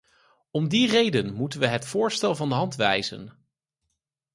Om die reden moeten we het voorstel van de hand wijzen.